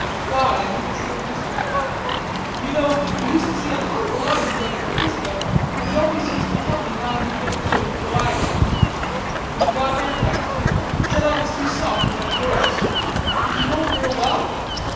Gawd, I'd hate to see him this way. D'you know, we used to see a hell of a lot of each other in 'Frisco, an' he always used to tell me how he'd make good before I did. He was goddam right, too. Said I was too soft about girls.... Did ye know him real well?"